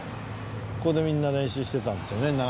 ここでみんな練習してたんですよね